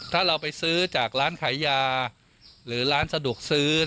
ถ้าเราไปซื้อจากร้านขายยาหรือร้านสะดวกซื้อ